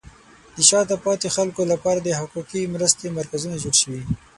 د شاته پاتې خلکو لپاره د حقوقي مرستې مرکزونه جوړ شي.